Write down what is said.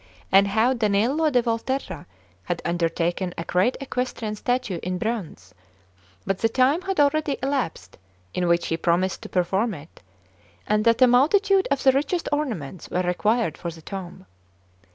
and how Daniello da Volterra had undertaken a great equestrian statue in bronze, but the time had already elapsed in which he promised to perform it, and that a multitude of the richest ornaments were required for the tomb.